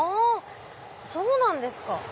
そうなんですか。